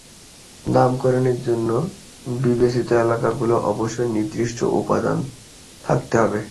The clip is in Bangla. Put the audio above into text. নামকরণের জন্য বিবেচিত এলাকাগুলোর অবশ্যই নির্দিষ্ট উপাদান থাকতে হবে।